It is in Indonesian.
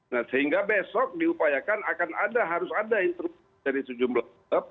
nah sehingga besok diupayakan akan ada harus ada instruksi dari sejumlah klub